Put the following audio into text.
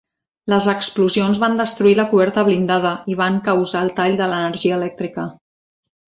Les explosions van destruir la coberta blindada i van causar el tall de l'energia elèctrica.